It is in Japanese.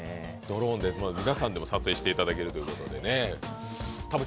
ドローンで撮影していただけるということでね。